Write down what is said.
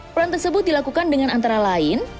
peran tersebut dilakukan dengan antara lain